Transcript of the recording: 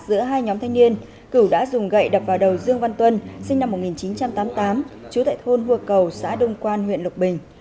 giữa hai nhóm thanh niên cửu đã dùng gậy đập vào đầu dương văn tuân sinh năm một nghìn chín trăm tám mươi tám chú tại thôn hua cầu xã đông quan huyện lục bình